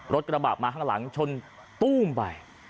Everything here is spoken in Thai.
รถกระบะมาข้างหลังชนตู้มไป